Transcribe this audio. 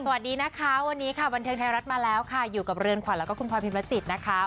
สวัสดีนะคะวันนี้ค่ะบันเทิงไทยรัฐมาแล้วค่ะอยู่กับเรือนขวัญแล้วก็คุณพลอยพิมรจิตนะคะ